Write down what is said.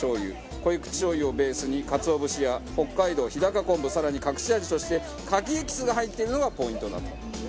濃口しょう油をベースにかつお節や北海道日高昆布更に隠し味として牡蠣エキスが入っているのがポイントだと。